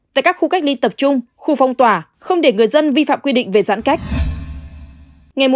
tại các khu cách ly tập trung khu phong tỏa không để người dân vi phạm quy định về giãn cách